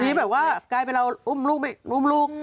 ทีนี้แบบว่าใกล้ไปเราอุ้มลูก